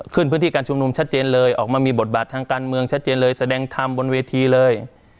พื้นที่การชุมนุมชัดเจนเลยออกมามีบทบาททางการเมืองชัดเจนเลยแสดงธรรมบนเวทีเลย